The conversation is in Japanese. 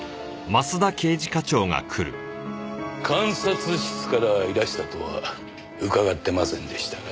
監察室からいらしたとは伺ってませんでしたが。